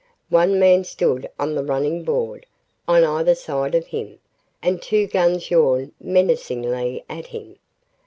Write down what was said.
One man stood on the running board, on either side of him, and two guns yawned menacingly at him.